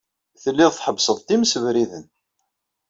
Telliḍ tḥebbseḍ-d imsebriden.